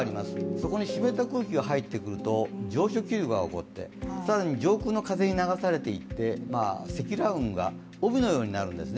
そこに湿った空気が入ってくると上昇気流が起こって、更に上空の気流に流されていって積乱雲が帯のようになるんですね。